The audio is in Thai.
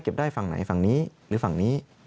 ได้ฝั่งไหนฝั่งนี้หรือฝั่งนี้